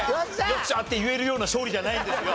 「よっしゃー」って言えるような勝利じゃないんですよ。